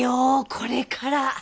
これから。